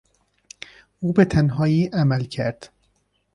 او به تنهایی عمل کرد.